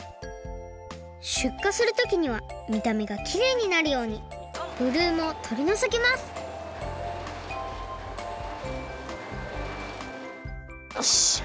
しゅっかするときにはみためがきれいになるようにブルームをとりのぞきますよいしょ。